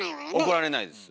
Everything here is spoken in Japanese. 怒られないです。